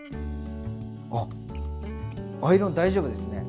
あアイロン大丈夫ですね！